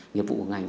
nhiệp vụ của ngành